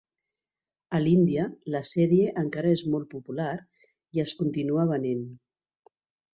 A l'Índia la sèrie encara és molt popular i es continua venent.